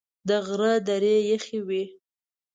د غره درې یخي وې .